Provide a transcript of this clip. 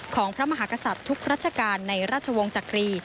ของพระมหากษัตริย์ทุกราชการในราชวงศ์จักรี